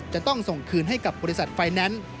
จะต้องส่งคืนให้กับบริษัทไฟแนนซ์